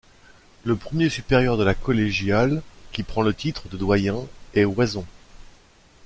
Le premier supérieur de la collégiale, qui prend le titre de doyen, est Wazon.